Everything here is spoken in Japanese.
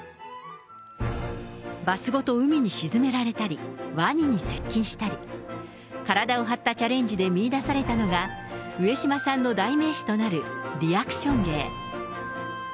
バスごと海に沈められたり、ワニに接近したり、体を張ったチャレンジで見いだされたのが、上島さんの代名詞となるリアクション芸。